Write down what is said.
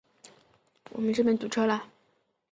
我们这边还在堵车，活动可能要延期了。